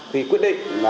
thì quyết định